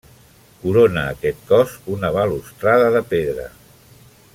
Corona aquest cos una balustrada de pedra.